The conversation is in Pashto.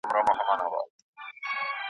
ټول لوی واړه مې پېژني چي ستا لیونی دا یم